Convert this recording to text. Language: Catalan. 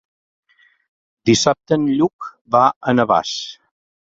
Dissabte en Lluc va a Navàs.